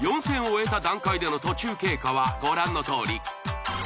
４戦を終えた段階での途中経過はご覧のとおり。